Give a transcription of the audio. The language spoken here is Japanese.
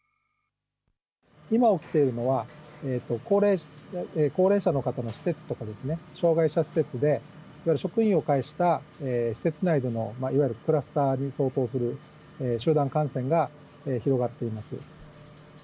今起きているのは、高齢者の方の施設とかですね、障害者施設で、いわゆる職員を介した施設内でのいわゆるクラスターに相当する集団感染が広がっています。